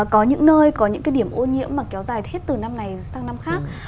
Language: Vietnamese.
có những nơi có những cái điểm ô nhiễm mà kéo dài hết từ năm này sang năm khác